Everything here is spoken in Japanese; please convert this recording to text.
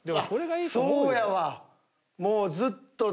そうやわ。